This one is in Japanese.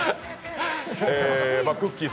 くっきー！